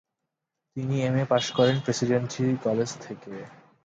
তিনি MA pass করেন Presidency College থেকে।